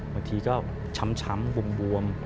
บางทีก็ช้ำบวม